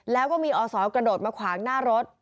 แล้วก็มีอศกระโดดมาขวางหน้ารถ